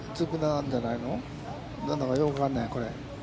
何だかよく分からない、これ。